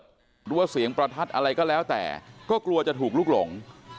หรือว่าเสียงประทัดอะไรก็แล้วแต่ก็กลัวจะถูกลุกหลง